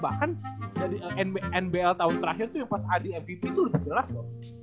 bahkan nbl tahun terakhir tuh yang pas adi mvp tuh udah jelas loh